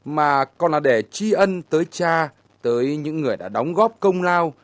mà còn là để tri ân tới cha tới những người đã đóng góp công lao